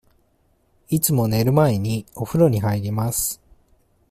いつも寝る前に、おふろに入ります。